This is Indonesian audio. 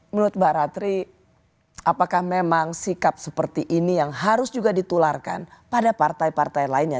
menurut mbak ratri apakah memang sikap seperti ini yang harus juga ditularkan pada partai partai lainnya